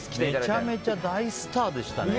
めちゃめちゃ大スターでしたね。